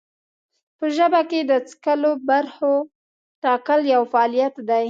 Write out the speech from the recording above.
په ژبه کې د څکلو برخو ټاکل یو فعالیت دی.